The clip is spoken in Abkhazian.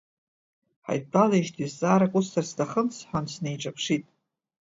Ҳаидтәалеижьҭеи зҵаарак усҭар сҭахын, — сҳәан, сниҿаԥшит.